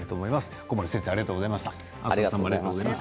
ここまで先生ありがとうございました。